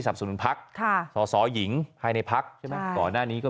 สำรุภัคดิ์ค่ะสะหสอหญิงใครในพักใช่ไหมต่อหน้านี้ก็